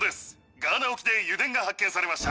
ガーナ沖で油田が発見されました。